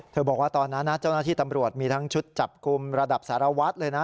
บอกว่าตอนนั้นนะเจ้าหน้าที่ตำรวจมีทั้งชุดจับกลุ่มระดับสารวัตรเลยนะ